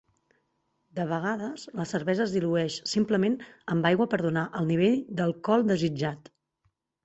De vegades la cervesa es dilueix simplement amb aigua per donar el nivell d'alcohol desitjat.